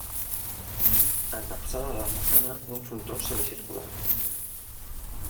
Encapçala la façana un frontó semicircular.